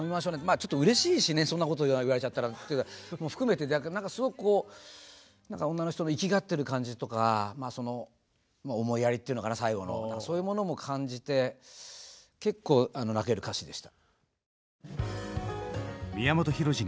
ちょっとうれしいしねそんなこと言われちゃったらっていうのも含めてすごく女の人のいきがってる感じとか思いやりっていうのかな最後のそういうものも感じて結構泣ける歌詞でした。